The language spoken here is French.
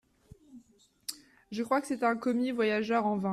Je crois que c’est un commis voyageur en vins…